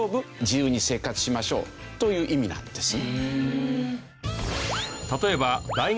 自由に生活しましょう」という意味なんです。